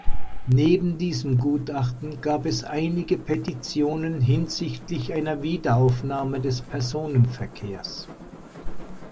Neben diesem Gutachten gab es einige Petitionen hinsichtlich einer Wiederaufnahme des Personenverkehrs.